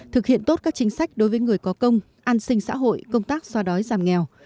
thực hiện tốt các chính sách đối với người có công an sinh xã hội công tác xoa đói giảm nghèo